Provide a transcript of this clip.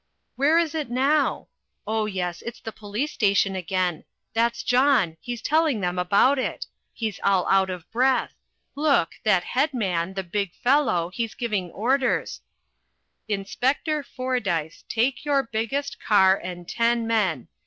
Where is it now? oh, yes it's the police station again that's John, he's telling them about it he's all out of breath look, that head man, the big fellow, he's giving orders "INSPECTOR FORDYCE, TAKE YOUR BIGGEST CAR AND TEN MEN.